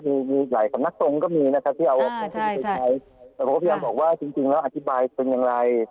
แล้วแหละธนตรงก็มีนะครับแล้วพยายามอธิบายเป็นอย่างไร